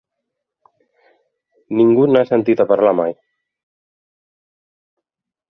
Ningú n'ha sentit a parlar mai.